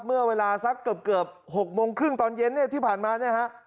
เมื่อเวลาสักเกือบ๖โมงครึ่งตอนเย็นเนี่ยที่ผ่านมาเนี่ยฮะ